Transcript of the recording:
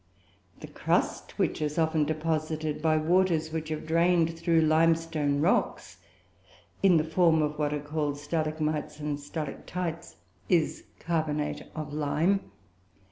The crust which is often deposited by waters which have drained through limestone rocks, in the form of what are called stalagmites and stalactites, is carbonate of lime.